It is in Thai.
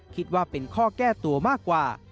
คิดว่าเป็นข้อแก้ตัวมากกว่า